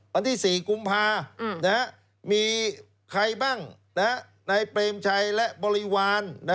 วันที่๔กุมภามีใครบ้างนายเปรมชัยและบริวาร